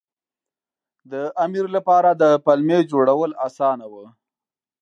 د امیر لپاره د پلمې جوړول اسانه وو.